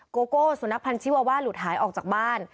โกโก้สุนัขพันธิวาว่าหลุดหายออกจากบ้าน